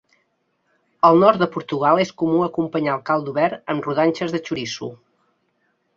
Al Nord de Portugal és comú acompanyar el caldo verd amb rodanxes de xoriço.